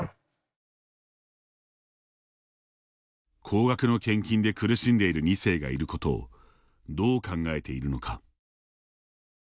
高額の献金で苦しんでいる２世がいることをどう考えているのか。